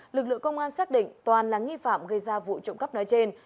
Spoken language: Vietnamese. lực lượng công an xác định toàn là nghi phạm gây ra vụ trộm cắp nói trên